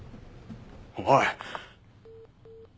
おい。